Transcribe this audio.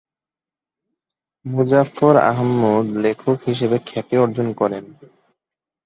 মুজাফফর আহমদ লেখক হিসেবে খ্যাতি অর্জন করেন।